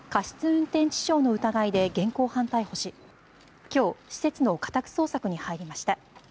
運転致傷の疑いで現行犯逮捕し今日、施設の家宅捜索に入りました。